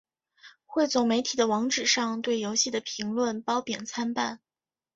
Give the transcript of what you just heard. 汇总媒体的网址上对游戏的评论褒贬参半。